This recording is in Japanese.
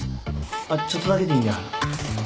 あっちょっとだけでいいんであの。